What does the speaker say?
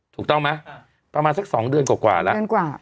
ถูกต้องไหมประมาณสัก๒เดือนกว่าแล้ว